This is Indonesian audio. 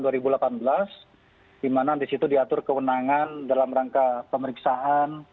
di mana di situ diatur kewenangan dalam rangka pemeriksaan